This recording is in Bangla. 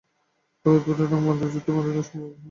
পুরাই উদ্ভট - রঙ যুদ্ধ বাতিল হওয়ার সম্ভাবনা আছে?